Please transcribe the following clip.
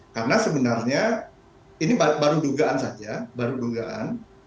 karena sebenarnya ini baru dugaan saja baru dugaan